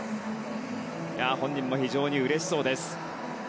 本人も非常にうれしそうです。